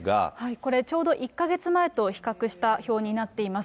これ、ちょうど１か月前と比較した表になっています。